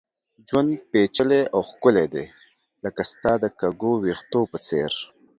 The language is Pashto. ژوند پېچلی او ښکلی دی ، لکه ستا د کږو ويښتو په څېر